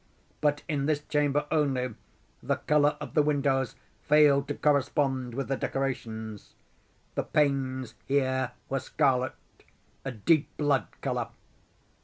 But in this chamber only, the color of the windows failed to correspond with the decorations. The panes here were scarlet—a deep blood color.